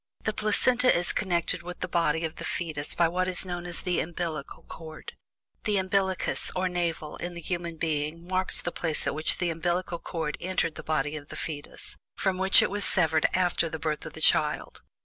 The placenta is connected with the body of the fetus by what is known as "the umbillical cord." The "umbillicus" or "navel" in the human being marks the place at which the umbillical cord entered the body of the fetus, from which it was severed after the birth of the child.